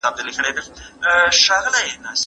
که زده کوونکي خپله ژبه وکاروي د ټولګي ګډون ولې نه کمېږي؟